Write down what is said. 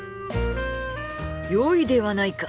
よいではないか。